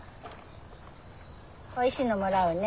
おいしいのもらおうね。